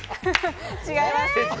違います。